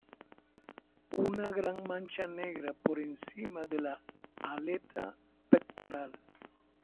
Una gran mancha negra por encima de la aleta pectoral.